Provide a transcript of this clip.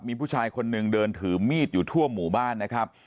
มีผู้ชายคนหนึ่งเดินถือมีดอยู่ทั่วหมู่บ้านนะครับ